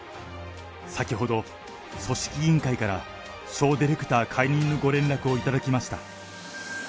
先ほど、組織委員会からショーディレクター解任のご連絡をいただきました。